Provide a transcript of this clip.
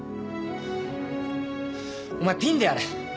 お前ピンでやれ。